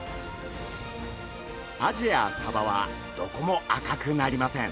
アジやサバはどこも赤くなりません。